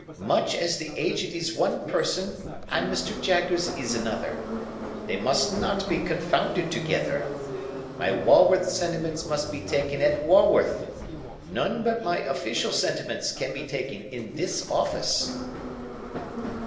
Much as the Aged is one person, and Mr. Jaggers is another. They must not be confounded together. My Walworth sentiments must be taken at Walworth; none but my official sentiments can be taken in this office."